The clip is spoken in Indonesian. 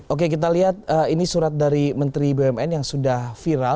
oke kita lihat ini surat dari menteri bumn yang sudah viral